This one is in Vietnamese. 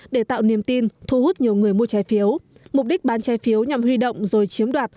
để tạo niềm tin thu hút nhiều người mua trái phiếu mục đích bán trái phiếu nhằm huy động rồi chiếm đoạt